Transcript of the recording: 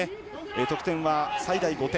得点は最大５点。